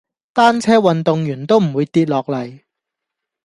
單車運動員都唔會跌落嚟